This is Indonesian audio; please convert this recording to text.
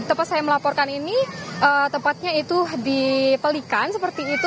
tepat saya melaporkan ini tepatnya itu di pelikan seperti itu